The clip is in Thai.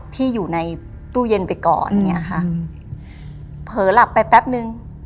ที่อยู่ในตู้เย็นไปก่อนอย่างเงี้ยค่ะเผลอหลับไปแป๊บนึง